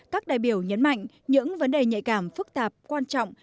các đại biểu nhấn mạnh những vấn đề nhạy cảm phức tạp quan trọng